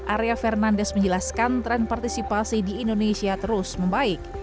arya fernandes menjelaskan tren partisipasi di indonesia terus membaik